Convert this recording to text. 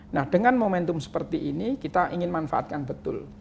nah dengan momentum seperti ini kita ingin manfaatkan betul